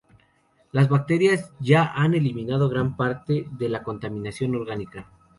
Las bacterias ya han eliminado gran parte de la contaminación orgánica.